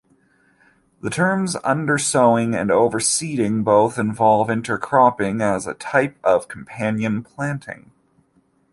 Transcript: The terms "undersowing" and "overseeding" both involve intercropping as a type of companion planting.